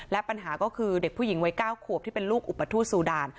และปัญหาก็คือเด็กผู้หญิงวัย๙ขวบที่เป็นลูกอุปทูตซูดาน